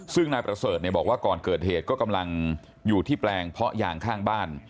ซึ่งนายประเสริฐบอกว่าก่อนเกิดเหตุก็กำลังอยู่ที่แปลงเพาะยางข้างบ้าน